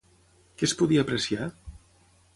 Què es podia apreciar?